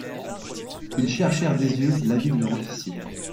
Il cherchèrent des yeux l'avis de leur officier.